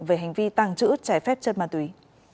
về hành vi tàng trữ trái phép chất ma túy